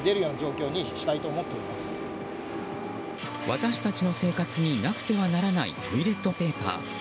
私たちの生活になくてはならないトイレットペーパー。